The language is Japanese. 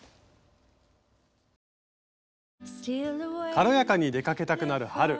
軽やかに出かけたくなる春。